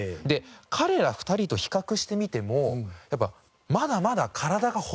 彼ら２人と比較してみてもやっぱまだまだ体が細いといいますか。